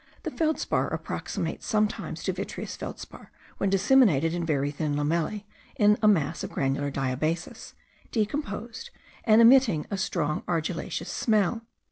The feldspar approximates sometimes to vitreous feldspar when disseminated in very thin laminae in a mass of granular diabasis, decomposed, and emitting a strong argillaceous smell.